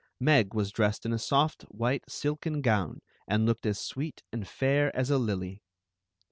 Meg was dressed in a soft white silken gown, and looked as sweet and fair as a lily.